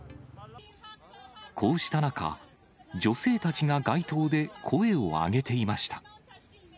こうした中、女性たちが街頭で声を上げていました。